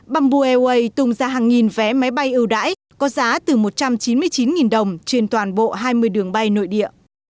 bamboo airways tung ra hàng nghìn vé máy bay ưu đãi có giá từ một trăm chín mươi chín đồng trên toàn bộ hai mươi đường bay nội địa